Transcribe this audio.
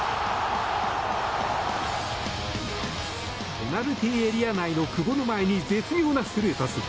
ペナルティーエリア内の久保の前に絶妙なスルーパス。